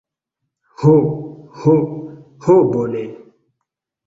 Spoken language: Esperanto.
Ho, ho, ho bone.